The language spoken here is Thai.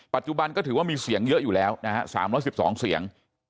ปัจจุบันก็ถือว่ามีเสียงเยอะอยู่แล้วนะฮะ๓๑๒เสียง